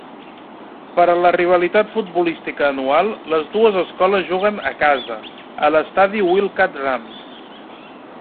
Per a la rivalitat futbolística anual, les dues escoles juguen "a casa" a l'estadi Wildcat-Ram.